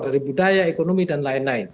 dari budaya ekonomi dan lain lain